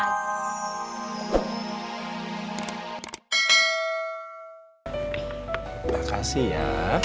terima kasih ya